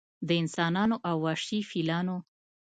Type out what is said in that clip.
د انسانانو او وحشي فیلانو